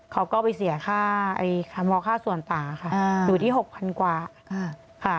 เขาก็ไปเสียค่าคำว่าค่าส่วนป่าค่ะอยู่ที่๖๐๐๐กว่าค่ะ